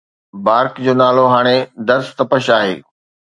بارڪ جو نالو هاڻي درس تپش آهي